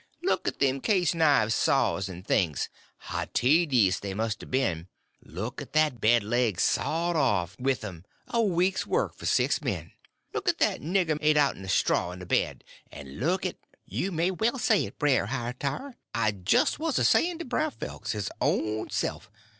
Look at them case knife saws and things, how tedious they've been made; look at that bed leg sawed off with 'm, a week's work for six men; look at that nigger made out'n straw on the bed; and look at—" "You may well say it, Brer Hightower! It's jist as I was a sayin' to Brer Phelps, his own self.